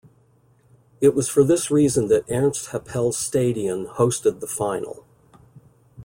It was for this reason that Ernst-Happel-Stadion hosted the final.